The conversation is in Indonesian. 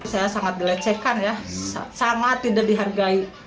saya sangat dilecehkan ya sangat tidak dihargai